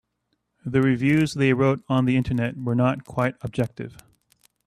The reviews they wrote on the Internet were not quite objective.